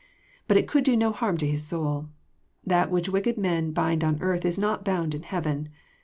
But it could do no harm to his soul. That which wicked men bind on earth is not bound in heaven.